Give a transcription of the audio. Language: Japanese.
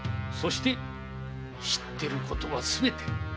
そして知ってることはすべて。